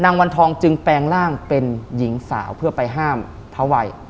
วันทองจึงแปลงร่างเป็นหญิงสาวเพื่อไปห้ามพระวัย